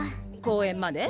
公園まで？